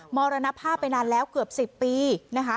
มรณภาพไปนานแล้วเกือบ๑๐ปีนะคะ